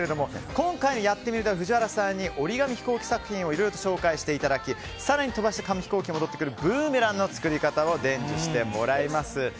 今回「やってみる。」で藤原さんに折り紙ヒコーキ作品をいろいろと紹介していただき更に飛ばして戻ってくるブーメランの作り方を伝授してもらいます。